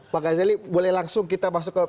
pak gazali boleh langsung kita masuk ke